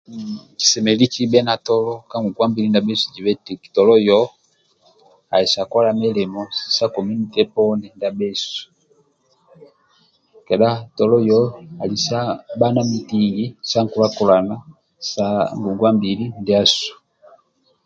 Kisemelelu kibhe na tolo ka ngongua mbili ndiasu bhesu zibe eti tolo yoho ali sa kola milimo sa kominite poni ndia bhesu kedha tolo yoho ali sa bha na mitingi sa nkula-kulana sa ngongwa mbili ndia bhesu